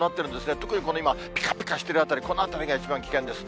特にこの今、ぴかぴかしている辺り、この辺りが一番危険です。